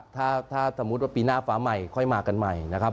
ถ้าสมมุติว่าปีหน้าฟ้าใหม่ค่อยมากันใหม่นะครับ